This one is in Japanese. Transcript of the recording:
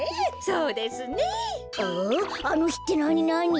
あのひってなになに？